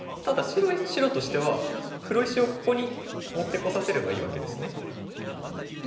ただ白としては黒石をここに持ってこさせればいいわけですね。